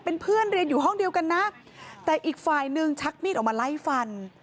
เป็นเพื่อนเรียนอยู่ห้องเดียวกันนะแต่อีกฝ่ายหนึ่งชักมีดออกมาไล่ฟัน